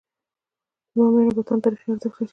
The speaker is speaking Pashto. د بامیانو بتان تاریخي ارزښت لري.